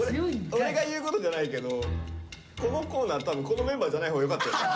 俺が言うことじゃないけどこのコーナー多分このメンバーじゃない方がよかったよね。